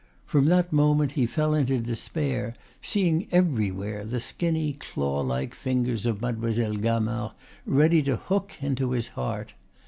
From that moment he fell into despair, seeing everywhere the skinny, clawlike fingers of Mademoiselle Gamard ready to hook into his heart.